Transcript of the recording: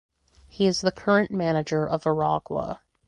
He is the current manager of Aragua.